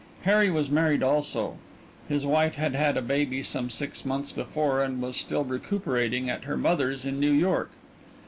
Harry was married also. His wife had had a baby some six months before and was still recuperating at her mother's in New York.